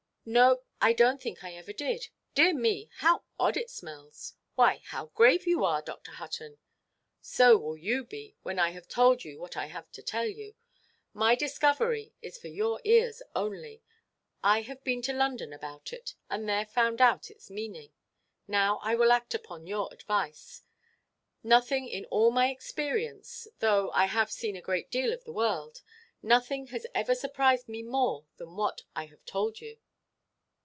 "No, I donʼt think I ever did. Dear me, how odd it smells! Why, how grave you are, Dr. Hutton!" "So will you be, when I have told you what I have to tell. My discovery is for your ears only; I have been to London about it, and there found out its meaning. Now I will act upon your advice. Nothing in all my experience—though I have seen a great deal of the world—nothing has ever surprised me more than what I have told you."